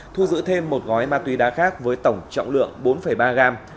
thu giữ thêm một gói ma túy đá khác với tổng trọng lượng bốn ba gram